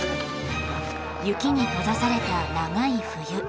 雪に閉ざされた長い冬。